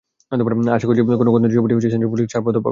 আশা করছি, কোনো কর্তন ছাড়াই ছবিটি সেন্সর বোর্ড থেকে ছাড়পত্র পাবে।